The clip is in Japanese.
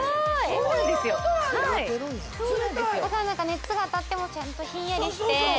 熱が当たってもちゃんとひんやりして。